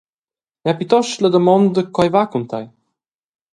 Igl ei plitost la damonda co ei va cun tei?